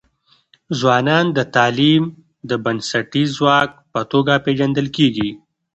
ځوانان د تعلیم د بنسټیز ځواک په توګه پېژندل کيږي.